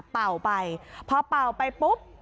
เป่าไปพอเป่าไปปุ๊บ